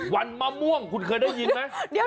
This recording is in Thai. วันมะม่วงคุณเคยได้ยินไหม